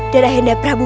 dan ayahanda prabu